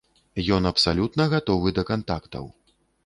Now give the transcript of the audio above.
Ён абсалютна гатовы да кантактаў.